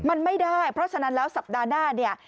มันไม่ได้เพราะฉะนั้นแล้วสัปดาห์หน้าเนี่ย